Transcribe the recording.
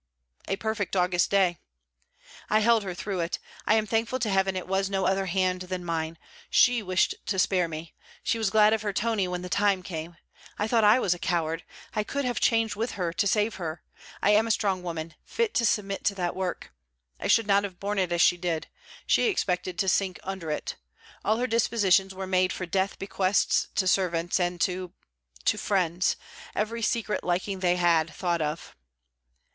'A perfect August day.' 'I held her through it. I am thankful to heaven it was no other hand than mine. She wished to spare me. She was glad of her Tony when the time came. I thought I was a coward I could have changed with her to save her; I am a strong woman, fit to submit to that work. I should not have borne it as she did. She expected to sink under it. All her dispositions were made for death bequests to servants and to... to friends: every secret liking they had, thought of!'